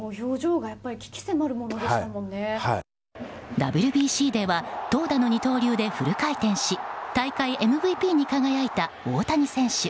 ＷＢＣでは投打の二刀流でフル回転し大会ＭＶＰに輝いた大谷選手。